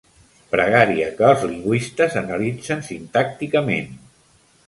Pregària que els lingüistes analitzen sintàcticament.